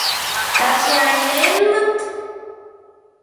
— Таркиайненмыт?..